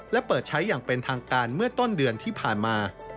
และเปิดใช้อย่างเป็นทางการเมื่อต้นเดือนที่ผ่านมา